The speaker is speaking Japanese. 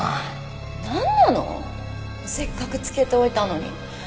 せっかく漬けておいたのに。